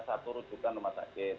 satu rujukan rumah sakit